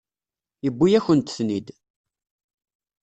Yewwi-yakent-ten-id.